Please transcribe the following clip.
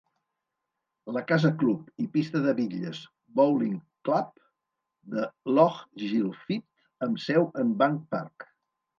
La casa club i pista de bitlles Bowling Club de Lochgilphead amb seu en Bank Park.